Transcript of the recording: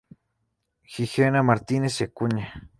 Gigena, Martínez y Acuña.